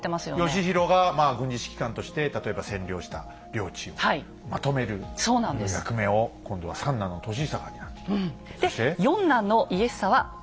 義弘がまあ軍事指揮官として例えば占領した領地をまとめる役目を今度は三男の歳久が担ってきた。